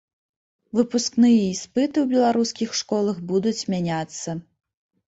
Выпускныя іспыты ў беларускіх школах будуць мяняцца.